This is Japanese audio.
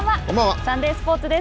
サンデースポーツです。